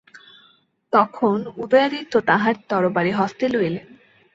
তখন উদয়াদিত্য তাঁহার তরবারি হস্তে লইলেন।